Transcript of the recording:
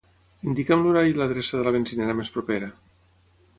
Indica'm l'horari i l'adreça de la benzinera més propera.